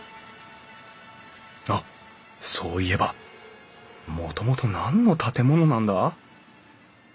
あっそういえばもともと何の建物なんだ？